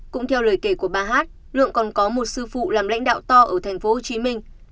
cũng theo lời kể của bà h lượng còn có một sư phụ làm lãnh đạo to ở tp hcm